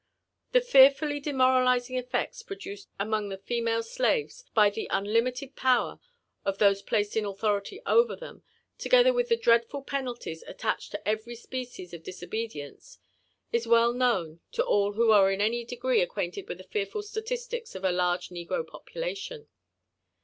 The fearfully demoralizing effects produced among the female slaves by the unlimited power of those placed in authority over them, together with the dreadful penalties attached to every species of dis obedience, is well known to all who are in any degree acquainted with the fearful statistics of a large negro population.